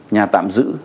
nhà tạm giữ